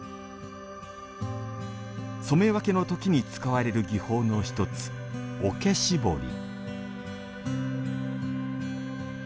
染め分けの時に使われる技法のひとつ「桶絞り」。